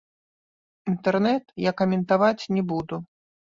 Інтэрнэт я каментаваць не буду.